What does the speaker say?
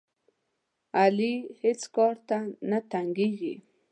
علي هېڅ کار ته نه ټینګېږي.